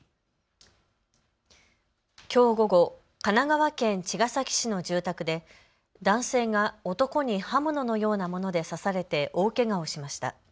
きょう午後、神奈川県茅ヶ崎市の住宅で男性が男に刃物のようなもので刺されて大けがをしました。